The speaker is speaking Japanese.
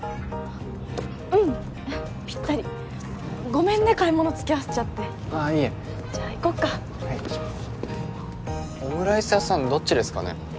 うんぴったりごめんね買い物付き合わせちゃってああいえじゃあ行こっかはいオムライス屋さんどっちですかね？